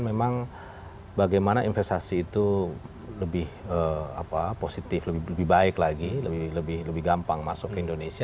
memang bagaimana investasi itu lebih positif lebih baik lagi lebih gampang masuk ke indonesia